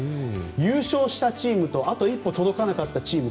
優勝したチームとあと一歩届かなかったチーム